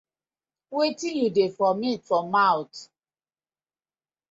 Wetin yu dey vomit for mouth.